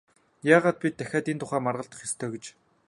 Яагаад бид дахиад энэ тухай маргалдах ёстой гэж?